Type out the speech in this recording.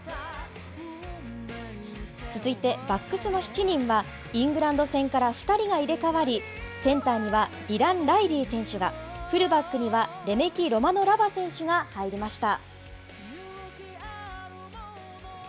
続いてバックスの７人は、イングランド戦から２人が入れ代わり、センターにはディラン・ライリー選手が、フルバックにはレメキロマノラヴァ選手が入りました。